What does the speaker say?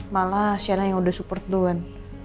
malah sienna yang udah support duluan